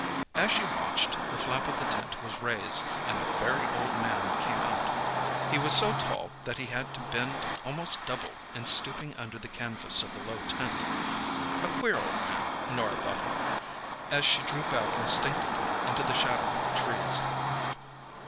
As she watched, the flap of the tent was raised, and a very old man came out. He was so tall that he had to bend almost double in stooping under the canvas of the low tent. A queer old man, Norah thought him, as she drew back instinctively into the shadow of the trees.